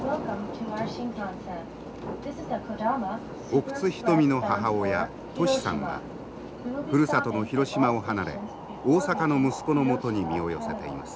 奥津牟の母親トシさんはふるさとの広島を離れ大阪の息子のもとに身を寄せています。